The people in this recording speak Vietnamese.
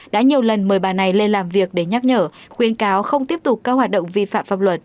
đã nhiều lần mời bà này lên làm việc để nhắc nhở khuyên cáo không tiếp tục các hoạt động vi phạm pháp luật